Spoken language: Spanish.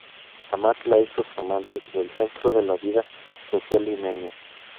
Amat la hizo su amante y el centro de la vida social limeña.